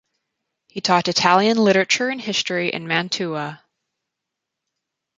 He taught Italian literature and history in Mantua.